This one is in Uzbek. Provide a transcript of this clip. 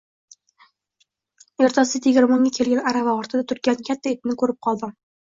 Ertasi tegirmonga kelgan arava ortida turgan katta itni ko‘rib qoldim